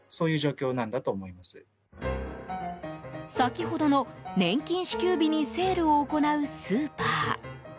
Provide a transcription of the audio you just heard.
先ほどの、年金支給日にセールを行うスーパー。